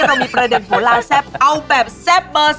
โหยิวมากประเด็นหัวหน้าแซ่บที่เกิดเดือนไหนในช่วงนี้มีเกณฑ์โดนหลอกแอ้มฟรี